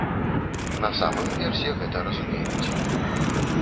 На самым версе гэта разумеюць.